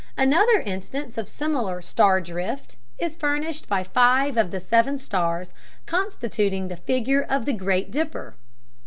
Another instance of similar "star drift" is furnished by five of the seven stars constituting the figure of the "Great Dipper."